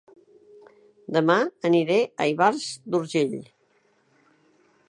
Dema aniré a Ivars d'Urgell